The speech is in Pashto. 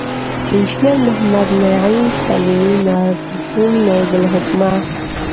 انجنیر محمد نعیم سلیمي، مرحوم نایب الحکومه